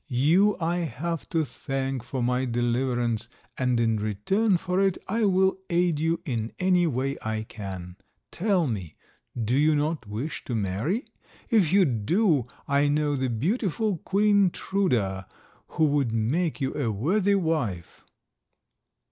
You I have to thank for my deliverance, and in return for it I will aid you in any way I can. Tell me, do you not wish to marry? If you do, I know the beautiful Queen Truda, who would make you a worthy wife."